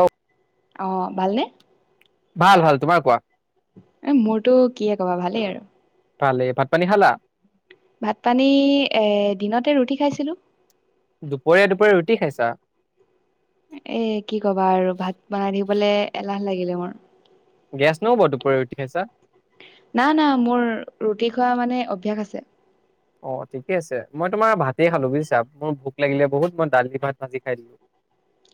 অঁ। অঁ' ভালনে? ভাল ভাল, তোমাৰ কোৱা? এ মোৰতো কিয়ে ক'বা ভালেই আৰু। ভালেই, ভাত-পানী খালা? ভাত-পানী এ দিনতে ৰুটি খাইছিলো। দুপৰীয়া দুপৰীয়া ৰুটি খাইছা? এ কি কবা আৰু ভাত বনাই থাকিবলৈ এলাহ লাগিলে মোৰ। গেছ নহ'ব দুপৰীয়া ৰুটি খাইছা? না না, মোৰ ৰুটি খোৱা মানে অভ্যাস আছে। অঁ' ঠিকে আছে, মই তোমাৰ ভাতেই খালো বুজিছা, মোৰ ভোক লাগিলে বহুত মই দালি ভাত ভাজি খাই দিলো।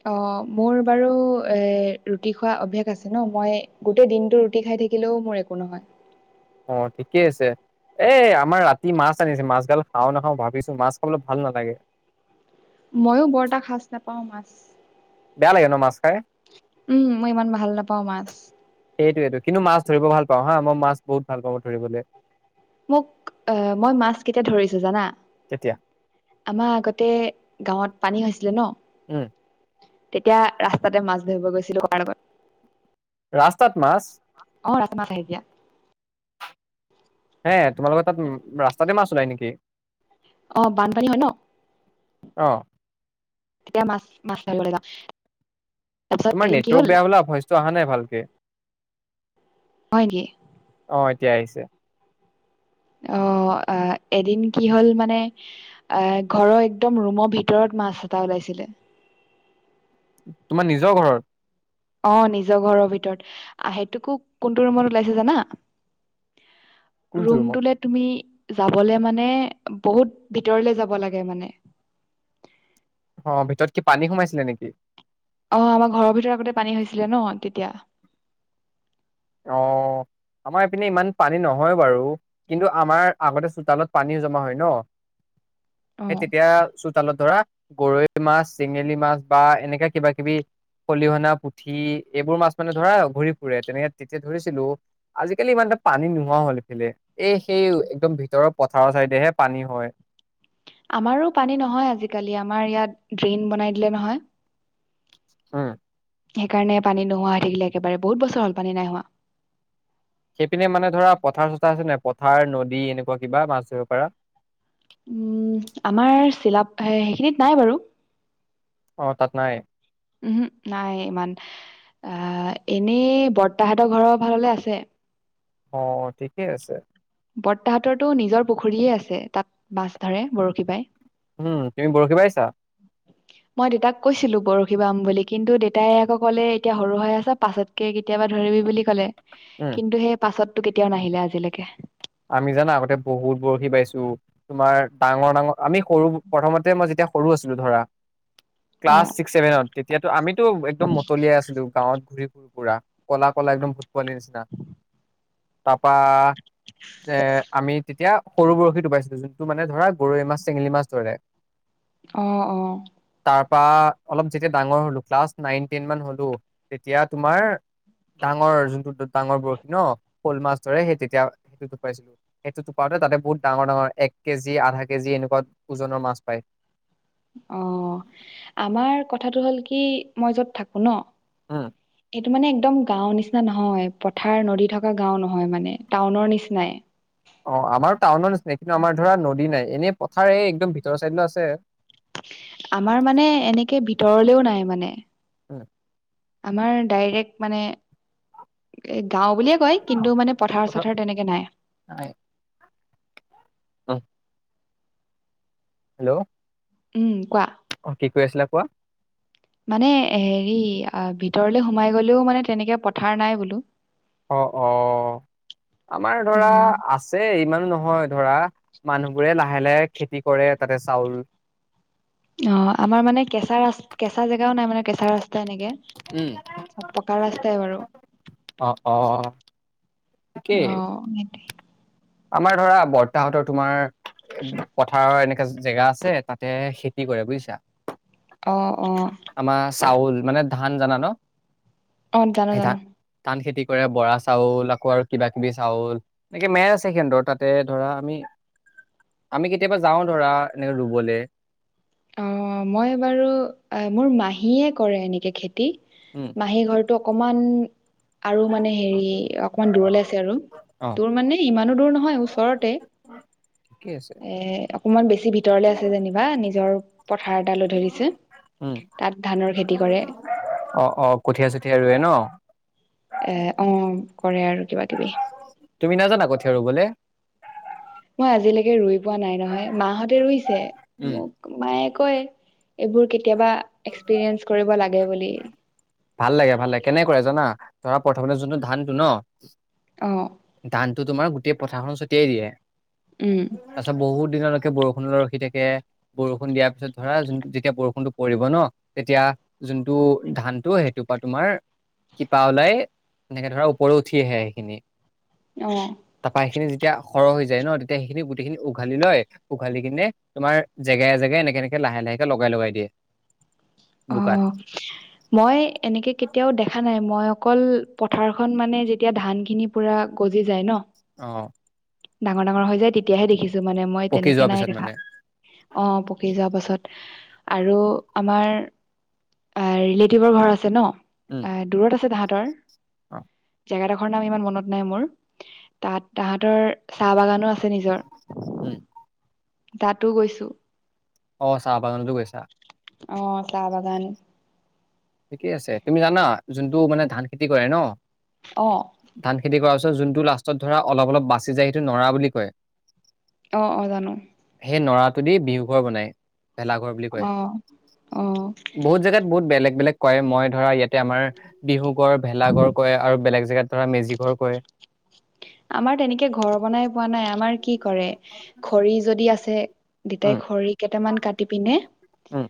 অঁ' মোৰ বাৰু এ ৰুটি খোৱা অভ্যাস আছে ন' মই গোটেই দিনতটো ৰুটি খাই থাকি থাকিলেও মোৰ একো নহয়। অঁ' ঠিকেই আছে। এ আমাৰ ৰাতি মাছ আনিছে, মাছ গাল খাওঁ নাখাওঁ ভাবিছো মাছ খাবলৈ ভাল নালাগে। মইয়ো বৰএটা খাজ নাপাওঁ মাছ। বেয়া লাগে ন' মাছ খাই। উমঁ' মই ইমান ভাল নাপাওঁ মাছ। সেইটোৱেটো, কিন্তু মাছ ধৰিব ভাল পাওঁ হা, মই মাছ বহুত ভাল পাওঁ মই ধৰিবলৈ। মোক, মই মাছ কেতিয়া ধৰিছো জানা? তেতিয়া আমাৰ আগতে গাঁওত পানী হৈছিলে ন'! উম। তেতিয়া ৰাস্তাতে মাছ ধৰিব গৈছিলো ককাৰ লগত। ৰাস্তাত মাছ? অ', ৰাস্তাত মাছ আহে তেতিয়া। হে তোমালোকৰ তাত ৰাস্তাতে মাছ ওলাই নেকি? অ', বানপানী হয়, ন'! অ'। তেতিয়া মাছ মাছ ধৰিবলৈ যাওঁ। তাৰপিছত তোমাৰ এদিন কি হ'ল নেটৱৰ্ক বেয়া হবলা ভইচটো অহা নাই ভালকে। হয়, নেকি? অ', এতিয়া আহিছে। অ', আ এদিন কি হ'ল মানে। এ ঘৰৰ একদম ৰুমৰ ভিতৰত মাছ এটা ওলাইছিলে। তোমাৰ নিজৰ ঘৰত? অ', নিজৰ ঘৰৰ ভিতৰত আহ, সেইটোকো কোনটো ৰুমত ওলাইছে জানা? কোনটো ৰুমত ৰুমটোলে তুমি যাবলে মানে বহুত ভিতৰলে যাব লাগে মানে। অ', ভিতৰত কি পানী সোমাইছিলে নেকি? অ', আমাৰ ঘৰৰ ভিতৰত আগতে পানী হৈছিলে ন' তেতিয়া। অ [inaudible] আমাৰ ইপিনে ইমান পানী নহয় বাৰু কিন্তু, আমাৰ আগতে চোতালত পানীও জমা হয়, ন'! [inaudible] সেই তেতিয়া চোতালত ধৰা গৰৈ মাছ, চেঙেলী মাছ, বা এনেকা কিবা কিবি খলিহনা পুঠি এইবোৰ মাছ মানে ধৰা ঘূৰি ফুৰে তেনেকে তেতিয়া ধৰিছিলো। আজিকালি ইমান এটা পানী নোহোৱা হ'ল এইফালে। এই সেই একদম ভিতৰৰ পথাৰৰ চাইডেহে পানী হয়। আমাৰো পানী নহয় আজিকালি, আমাৰ ইয়াত ড্ৰেইন বনাই দিলে নহয়। উম। সেইকাৰণে পানী নোহোৱা থাকিলে, একেবাৰে বহুত বছৰ হ'ল পানী নাই হোৱা। সেইপিনে মানে ধৰা পথাৰ-চথাৰ আছে নে পথাৰ নদী এনেকুৱা কিবা মাছ ধৰিব পৰা? উম, আমাৰ চিলাপ সেইখিনিত নাই বাৰু। অ', তাত নাই? উম, নাই ইমান অ', এনেই বৰ্তাহতৰ ঘৰৰ ফাললে আছে। অ', ঠিকেই আছে। বৰ্তাহতৰতো নিজৰ পুখুৰীয়ে আছে তাত মাছ ধৰে বৰশী বাই। উম, তুমি বৰশী বাইছা? [inaudible] মই দেউতাক কৈছিলো বৰশী বাম বুলি কিন্তু দেউেতাই আকৌ ক'লে এতিয়া সৰু হৈ আছে পাছত কে কেতিয়াবা ধৰিবি বুলি ক'লে। উম। কিন্তু সেই পাছততো কেতিয়াও নাহিলে আজিলৈকে। আমি জানা আগতে বহুত বৰশী বাইছো। তোমাৰ ডাঙৰ-ডাঙৰ, আমি সৰু প্ৰথমতে মই যেতিয়া সৰু আছিলো ধৰা। ক্লাছ অ', ছিক্স চছেভেনত তেতিয়াতো আমিতো একদম মতলিয়াই আছিলো গাঁৱত ঘূৰি ফো ফুৰা কলা-কলা একদম ভুট পোৱালি নিচিনা। তাৰপা এ আমি তেতিয়া সৰু বৰশী তুপাইছিলো যোনটো মানে ধৰা গৰৈ মাছ, চেঙেলী মাছ ধৰে। অ', অ'। তাৰ পৰা অলপ যেতিয়া ডাঙৰ হলো ক্লাছ নাইন টেন মান হলো। তেতিয়া তোমাৰ ডাঙৰ যোনটো ডাঙৰ বৰশী ন শ'ল মাছ ধৰে, সেই তেতিয়া সেইটো তুপাইছিলো। সেইটো টোপাওতে তাতে বহুত ডাঙৰ- ডাঙৰ এক কেজি, আধা কেজি এনেকুৱা ওজনৰ মাছ পায়। অ। ' আমাৰ কথাটো হ'ল কি মই য'ত থাকো ন? উম এইটো মানে একদম গাঁওৰ নিচিনা নহয়, পথাৰ নদী থকা গাঁও নহয় মানে টাউনৰ নিচিনাই। অ', আমাৰ টাউনৰ নিচিনাই, কিন্তু আমাৰ ধৰা নদী নাই এনে পথাৰ এই একদম ভিতৰ চাইডিলো আছে। আমাৰ মানে এনেকে ভিতৰলেও নাই মানে। উম। আমাৰ ডাইৰেক্ট মানে এ গাও বুলিয়ে কয় কিন্তু মানে পথাৰ-চথাৰ তেনেকৈ নাই। হয়। অ'। হেল্লো' উম, কোৱা। অ' কি কৈ আছিলা কোৱা? মানে হেৰি ভিতৰলে সোমাই গলেও মানে তেনেকে পথাৰ নাই বোলো। অ', অ' আমাৰ ধৰা উম আছে যে ইমানো নহয় ধৰা, মানুহবোৰে লাহে-লাহে খেতি কৰে তাতে চাউল অ'আমাৰ মানে কেঁচা-ৰা-কেঁচা জেগাও নাই মানে কেঁচা ৰাস্তা এনেকে। উম চব পকা ৰাস্তাই বাৰু। অ অ ঠিকেই অ'। আমাৰ ধৰা বৰতাহতৰ তোমাৰ পথাৰৰ এনেকা জেগা আছে তাতে খেতি কৰে বুজিছা। অঁ', অঁ'। আমাৰ চাউল মানে ধান জানা ন? অ জানো সে ধান জানো ধান খেতি কৰে বৰা চাউল আকৌ আৰু কিবা কিবি চাউল। এনেকে [unintelligible] [unintelligible] তাতে ধৰা আমি, আমি কেতিয়াবা যাও ধৰা এনে ৰুবলে। অ মই বাৰু, মোৰ মাহীয়ে কৰে এনেকে খেতি। উম মাহী ঘৰটো অকমান আৰু মানে হেৰি অকমান দূৰলে আছে আৰু। অ তোৰ মানে ইমানো দূৰ নহয় ওচৰতে ঠিকে আছে এ অকণমান বেছি ভিতৰলে আছে যেনিবা নিজৰ পথাৰ এটা লৈ থৈ দিছে, উম তাত ধানৰ খেতি কৰে। অ', অ' কঠীয়া-চঠীয়া ৰুৱে ন? এ অ'কৰে আৰু কিবা কিবি। তুমি নাজানা কঠীয়া ৰোবলে? মই আজিলৈকে ৰুই পোৱা নাই নহয়। মাহঁতে ৰুইছে। উম মায়ে কয় এইবোৰ কেতিয়াবা এক্সপিৰিয়েঞ্চ কৰিব লাগে বুলি। ভাল লাগে, ভাল লাগে, কেনেক জানা ধৰা প্ৰথমতে যোনটো ধানটো ন অঁ ধানটো তোমাৰ গোটেই পথাৰখনত ছটিয়াই দিয়ে। উম' তাপিছত বহুত দিনলৈকে বৰষুণলৈ ৰখি থাকে। বৰষুণ দিয়াৰ পিছত ধৰা যোন যেতিয়া বৰষুণটো পৰিব ন তেতিয়া যোনটো ধান- টো সেইটো পা তোমাৰ শিপা ওলাই এনেকে ধৰা ওপৰ উঠি আহে সেইখিনি। অঁ' তাপা সেইখিনি যেতিয়া সৰহ হৈ যায় ন তেতিয়া সেইখিনি গোটেইখিনি উঘালি লয়। উঘালি কিনে তোমাৰ জেগায়ে জেগাই এনেকে এনেকে লাহে লাহেকে লগাই লগাই দিয়ে। [unintelligible] বোকাত। [unintelligible] মই এনেকে কেতিয়াও দেখা নাই মই অকল পথাৰখন মানে যেতিয়া ধানখিনি- পুৰা গজি যায় ন। অঁ' ডাঙৰ ডাঙৰ হৈ যায় তেতিয়াহে দেখিছো মানে মই পকি তেনেকে যোৱাৰ নাই পিছত দেখা। মানে অঁ পকি যোৱাৰ পাছত আৰু আমাৰ- আ ৰিলেটিভৰ ঘৰ আছে ন দূৰত আছে তাহাঁতৰ। অঁ' জেগাডখৰ নাম ইমান মনত নাই মোৰ তাত তাহাঁতৰ চাহ বাগানো আছে। ছে নিজৰ উম তাতো গৈছো। অ' চাহ বাগানতো গৈছা। অঁ চা বাগান। ঠিকেই আছে, তুমি জানা যোনটো মানে ধান খেতি কৰে ন- অঁ' ধান খেতি কৰাৰ পিছত যোনটো লাষ্টত ধৰা অলপ অলপ বাচি যায় সেইটো নৰা বুলি কয়। অঁ অঁ জানো। সেই নৰাটোদি বিহু ঘৰ বনায় ভেলাঘৰ বুলি কয়। অ অ বহুত জেগাত বহুত বেলেগ বেলেগ কয়, মই ধৰা ইয়াতে আমাৰ বিহু ঘড় ভেলাঘৰ কয় আৰু বেলেগ জেগাত- ধৰা, মেজি ঘৰ কয়। আমাৰ তেনেকে ঘৰ বনাই পোৱা নাই আমাৰ কি কৰে খৰি যদি আছে- দেতাই উম খৰি কেইটামান কাটি পিনে- উম'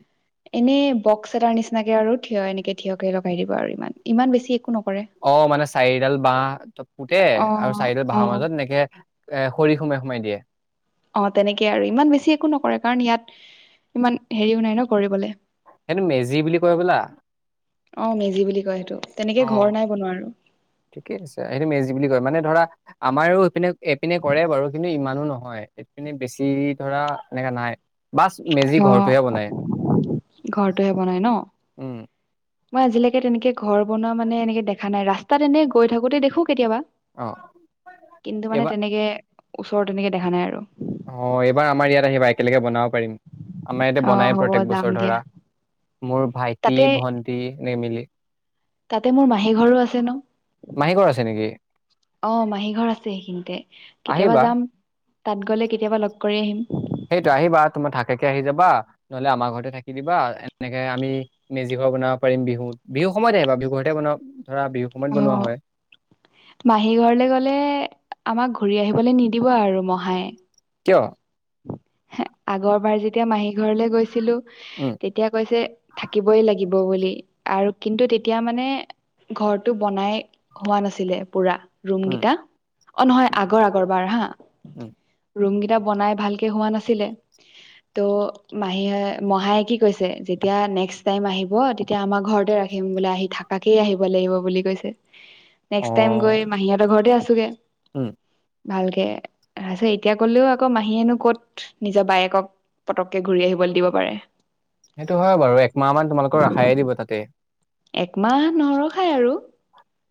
এনেই বক্স এটাৰ নিচিনাকে আৰু থিয় এনেকে থিয়কে লগাই দিব আৰু ইমান ইমান বেছি একো নকৰে। অ মানে চাৰিডাল বাঁহ ত পোতে অ আৰু চাৰিডাল অ বাঁহৰ মাজত এনেকে- এ খৰি সোমাই সোমাই দিয়ে। অঁ তেনেকে আৰু ইমান বেছি একো নকৰে কাৰণ ইয়াত ইমান হেৰিও নাই ন কৰিবলে। সেইটো মেজি বুলি কয় হবলা অঁ মেজি বুলি কয় সেইটো তেনেকে ঘৰ নাই বনোৱা আৰু। ঠিকেই আছে, সেইটো মেজি বুলি কয় মানে ধৰা আমাৰো এইপিনে এইপিনে কৰে বাৰু কিন্তু ইমানো নহয়। এই পিনে বেছি ধৰা, এনেকে নাই। বাছ মেজি ঘৰটোহে অঁ বনাই ঘৰটোহে বনাই ন। উম মই আজিলেকে তেনেকে ঘৰ বনোৱা মানে এনেকে দেখা নাই ৰাস্তাত এনেই গৈ থাকোতে দেখো কেতিয়াবা। অ কিন্তু, এইবাৰ মানে তেনেকে ওচৰত তেনেকে দেখা নাই আৰু। অঁ এইবাৰ আমাৰ ইয়াত আহিবা একেলগে বনাব পাৰিম। আমাৰ ইয়াতে অ বনায় হ'ব প্ৰত্যেক যাম বছৰ দিয়া ধৰা মোৰ ভাইটি তাতে ভন্টি এনেকে মিলি। তাতে মোৰ মাহি ঘৰো আছে ন। মাহী ঘৰ আছে নেকি? অ মাহী ঘৰ আছে সেইখিনিতে কেতিয়াবা আহিবা যাম। তাত গ'লে কেতিয়াবা লগ কৰি আহিম। সেইটো আহিবা তোমাৰ থাকাকে আহি যাবা নহলে আমাৰ ঘৰতে থাকি দিবা এনেকে আমি মেজি ঘৰ বনাব পাৰিম বিহু বিহু সময়ত আহিবা বিহু ঘৰতে বনাব ধৰা বিহু সময়ত বনোৱা হয় অ মাহী ঘৰলে গ'লে আমাক ঘূৰি আহিবলৈ নিদিব আৰু মহাই কিয়? আগৰবাৰ যেতিয়া মাহীৰ ঘৰলে গৈছিলো। উম তেতিয়া কৈছে থাকিবই লাগিব বুলি। আৰু কিন্তু তেতিয়া মানে ঘৰটো বনাই হোৱা নাছিলে পুৰা। ৰুম উম কেইটা অ নহয় আগৰ আগৰ বাৰ হা উম ৰুম কেইটা বনাই ভাল কে হোৱা নাছিলে। ত' মাহীয়ে মহায়ে কি কৈছে যেতিয়া নেক্স টাইম আহিব। তেতিয়া আমাৰ ঘৰতে ৰাখিম বোলে আহি থাকাকেই আহিব লাগিব বুলি কৈছে। অ নেক্স টাইম গৈ মাহীহতৰ ঘৰতে আছোগে উম ভালকে তাৰপিছত এতিয়া গলেও আকৌ মাহীয়েনো ক'ত নিজৰ বায়েকক পতককে ঘূৰি আহিবলৈ দিব পাৰে। সেইটো হয় বাৰু একমাহ মান তোমালোকক ৰাখায়ে দিব তাতে, একমাহ নৰখায় আৰু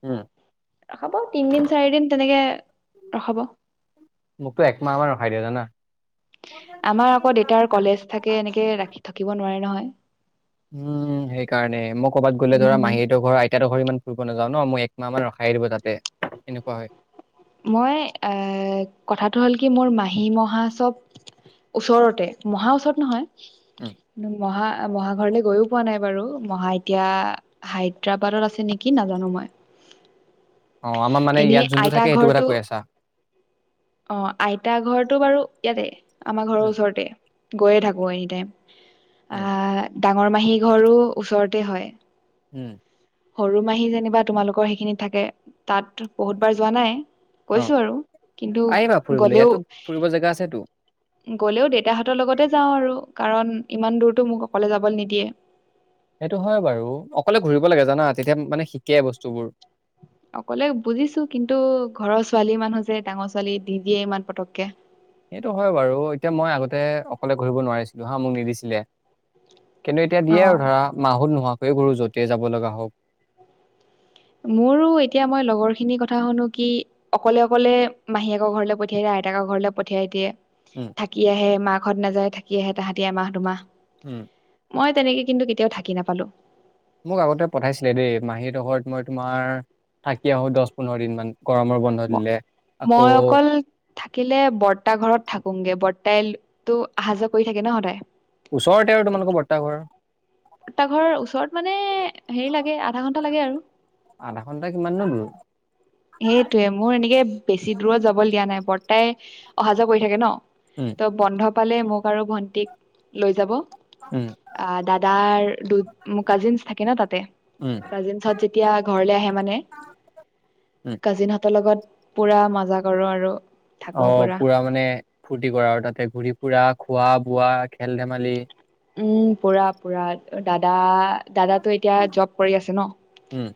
উম। ৰখাব তিনদিন চাৰিদিন তেনেকে ৰখাব। মোকতো একমাহ মান ৰখাই দিয়ে জানা আমাৰ আকৌ দেউতাৰ কলেজ থাকে এনেকে ৰাখি থাকিব নোৱাৰে নহয়। উম সেইকাৰণে মই কৰ'বাত গ'লে ধৰা নহয় মাহীহতৰ ঘৰত তেহতৰ ঘৰত ইমান ফুৰিব নাযাওঁ ন মোক একমাহ মান ৰখাই দিব তাতে এনেকুৱা হয়। মই কথাটো হ'ল কি মোৰ মাহী মহা চব। ওচৰতে মহা ওচৰত নহয় উম, কিন্তু মহা মহা ঘৰলে গৈও পোৱা নাই বাৰু মহা এতিয়া, হায়দৰাবাদত আছে নেকি নাজানো, মই অ আমাৰ মানে এনেই ইয়াত যোনটো আইতা থাকে সেইটো কথা ঘৰটো কৈ আছা। অ আইতা ঘৰটো বাৰু ইয়াতে আমাৰ ঘৰৰ উম, ওচৰতে গৈয়ে থাকো এনি টাইম। উম, আহ ডাঙৰ মাহী ঘৰো ওচৰতে হয়। উম। সৰু মাহী যেনিবা তোমালোকৰ সেইখিনিত থাকে তাত বহুতবাৰ যোৱা নাই। অ', গৈছো আৰু কিন্তু আহিবা ফুৰিবলৈ, গলেও ইয়াতো ফুৰিব জেগা আছেতো। গ'লেও দেউতাহঁতৰ লগতে যাওঁ আৰু কাৰণ ইমান দূৰটো মোক অকলে যাবলৈ নিদিয়ে। সেইটো হয় বাৰু অকলে ঘূৰিব লাগে জানা তেতিয়া মানে শিকে বস্তুবোৰ অকলে বুজিছো কিন্তু ঘৰৰ ছোৱালী মানুহ যে ডাঙৰ ছোৱালী নিদিয়ে ইমান পতককে সেইটো হয় বাৰু এতিয়া মই আগতে অকলে ঘূৰিব নোৱাৰিছিলো হা মোক নিদিছিলে। কিন্তু এতিয়া দিয়ে আৰু অ' ধৰা মা হত নোহোৱাকৈয়ে ঘুৰু যতে যাব লগা হওক। মোৰো এতিয়া মই লগৰ খিনিৰ কথা শুনো কি অকলে অকলে মাহীয়েকৰ ঘৰলে পঠিয়াই দিয়ে আইতাকৰ ঘৰলে পঠিয়াই দিয়ে। উম' থাকি আহে মাক ঘৰত নাযায় থাকি আহে তাহাঁতি এমাহ দুমাহ। উম' মই তেনেকে কিন্তু কেতিয়াও থাকি নাপালোঁ। মোক আগতে পঠাইছিলে দেই। মাহীহঁতৰ ঘৰত মই তোমাৰ থাকি আহো দশ, পোন্ধৰ দিন মান গৰমৰ বন্ধ ম দিলে আকৌ মই অকল থাকিলে বৰ্তা ঘৰত থাকোঙগে। বৰ্তাইটো অহা-যোৱা কৰি থাকে ন' সদায়। ওচৰতে আৰু তোমালোকৰ বৰ্তা ঘৰ? বৰ্তা ঘৰ ওচৰত মানে, হেৰি লাগে আধা ঘন্টা লাগে আৰু। আধা ঘণ্টা কিমাননো দূৰ। সেইটোৱে মোৰ এনেকে বেছি দূৰত যাবলে দিয়া নাই। বৰ্তাই অহা-যোৱা কৰি থাকে ন'? উম ত' বন্ধ পালে মোক আৰু ভন্টিক লৈ যাব। উম আঁ, দাদাৰ দু মোৰ কাজিনছ থাকে ন' তাতে। উম কাজিনহঁত যেত্ তিয়া ঘৰলে আহে মানে উম কাজিনহঁতৰ লগত পুৰা মজা কৰোঁ আৰু। অঁ, পুৰা মানে ফূৰ্তি কৰা আৰু তাতে ঘুৰি ফুৰা, খোৱা-বোৱা, খেল-ধেমালি উম, পুৰা পুৰা দাদা দাদাটো এতিয়া জব কৰি আছে ন'। উম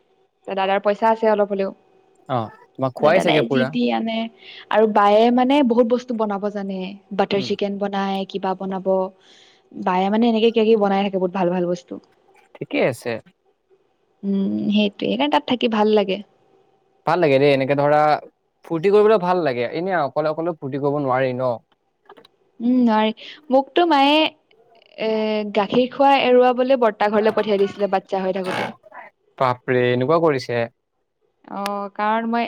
ত' দাদাৰ পইচা আছে অলপ হ'লেও। অ তোমাক দা খোৱাই চাগে দাদাই যি- পুৰা তি আনে। আৰু বায়ে মানে বহুত বস্তু বনাব জানে। বাটাৰ উম চিকেন বনাই কিবা বনাব বায়ে মানে এনেকে কিবা- কিবি বনাই থাকে বহুত ভাল ভাল বস্তু। ঠিকেই আছে। উম, সেইটোৱে। এইকাৰণ তাত থাকি ভাল লাগে। ভাল লাগে দেই এনেকে ধৰা ফূৰ্তি কৰিবলৈ ভাল লাগে। এনে অকলে অকলে ফূৰ্তি কৰিব নোৱাৰি ন'? উম, নোৱাৰি মোকতো মায়ে এ গাখীৰ খোৱা এৰুৱাবলে বৰ্তা ঘৰলে পঠিয়াই দিছিলে। বাচ্ছা হৈ থাকোতে। বাপৰে! এনেকুৱা কৰিছে? অঁ, কাৰণ মই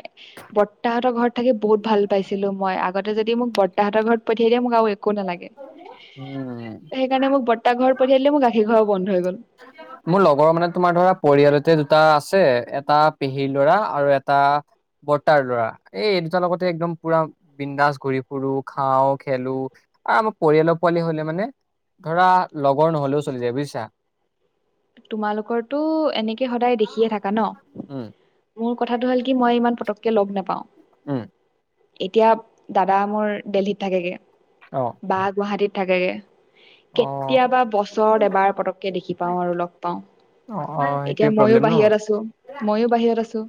বৰ্তাহঁতৰ ঘৰত থাকি বহুত ভাল পাইছিলোঁ মই। আগতে যদি মোক বৰ্তাহঁতৰ ঘৰত পঠিয়াই দিয়ে মোক আৰু এ কো নেলাগে। উম সেইকাৰণে মোক বৰ্তা ঘৰত পঠিয়াই দিলে। মোৰ গাখীৰ খোৱাৰো বন্ধ হৈ গ'ল। মোৰ লগৰ মানে তোমাৰ ধৰা পৰিয়ালতে দুটা আছে। এটা পেহীৰ ল'ৰা আৰু এটা বৰ্তাৰ ল'ৰা। এই দুটাৰ লগতে একদম পুৰা বিন্দাছ ঘুৰি ফুুৰো, খাওঁ, খেলো আঁ মোক পৰিয়ালৰ পোৱালি হ'লেও মানে ধৰা লগৰ নহলেও চলি যায় বুজিছা। তোমালোকৰটো এনেকে সদায় দেখিয়ে থাকা ন'? উম মোৰ কথাটো হ'ল কি? মই ইমান পতককে লগ নাপাওঁ। উম। এতিয়া দাদা মোৰ দেলহীত থাকেগে। অঁ। বা গুৱাহাটীত থাকেগে। কেতিয়াবা বছৰত এবাৰ পতককে দেখি পাওঁ আৰু লগ পাওঁ। অ অ এতিয়া সেইটোৱে মইও প্ৰব্লেম ন বাহিৰত আছোঁ। মইও বাহিৰত আছোঁ।